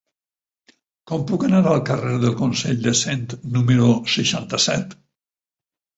Com puc anar al carrer del Consell de Cent número seixanta-set?